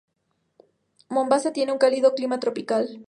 Mombasa tiene un cálido clima tropical.